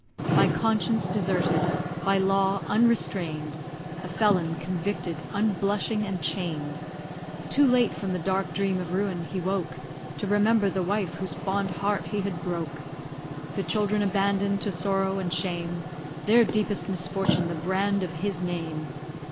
By conscience deserted, by law unrestrain'd, A felon, convicted, unblushing, and chain'd; Too late from the dark dream of ruin he woke To remember the wife whose fond heart he had broke; The children abandon'd to sorrow and shame, Their deepest misfortune the brand of his name.